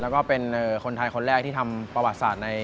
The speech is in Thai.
แล้วก็เป็นคนไทยคนแรกที่ทำประวัติศาสตร์